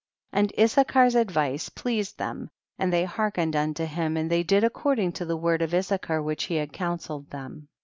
12. And Issachar's advice pleased them, and they hearkened unto him "and the}'' did according to the word of Issachar which he had counselled ihem.